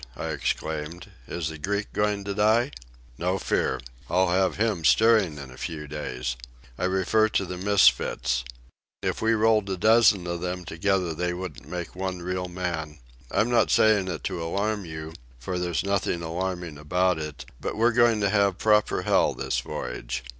I exclaimed. "Is the Greek going to die?" "No fear. I'll have him steering in a few days. I refer to the misfits. If we rolled a dozen of them together they wouldn't make one real man. I'm not saying it to alarm you, for there's nothing alarming about it; but we're going to have proper hell this voyage."